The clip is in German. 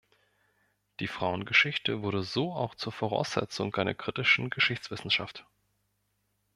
Die Frauengeschichte wurde so auch zur Voraussetzung einer kritischen Geschichtswissenschaft.